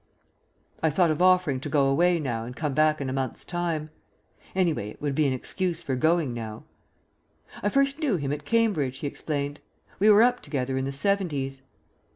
I thought of offering to go away now and come back in a month's time. Anyway, it would be an excuse for going now. "I first knew him at Cambridge," he explained. "We were up together in the 'seventies."